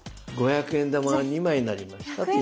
５００円玉が２枚になりましたと。